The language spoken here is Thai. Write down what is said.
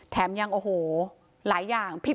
แถมยังโอ้โหหลายอย่าง